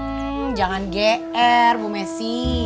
hmm jangan gr bu messi